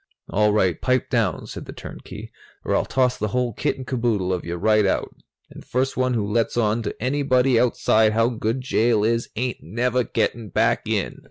"All right, pipe down," said the turnkey, "or I'll toss the whole kit and caboodle of you right out. And first one who lets on to anybody outside how good jail is ain't never getting back in!"